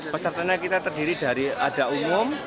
pesertanya kita terdiri dari ada umum